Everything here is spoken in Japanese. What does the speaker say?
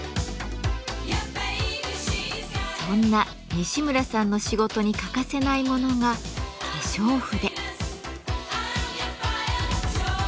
そんな西村さんの仕事に欠かせないものが「化粧筆」。